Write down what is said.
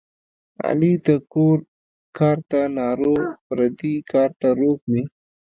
علي د کور کار ته ناروغ پردي کار ته روغ وي.